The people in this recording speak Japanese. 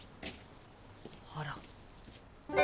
あら。